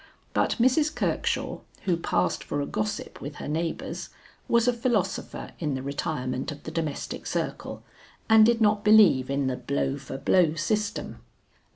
But Mrs. Kirkshaw who passed for a gossip with her neighbors, was a philosopher in the retirement of the domestic circle and did not believe in the blow for blow system.